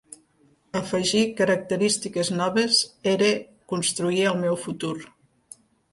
Afegir característiques noves era construir el meu futur.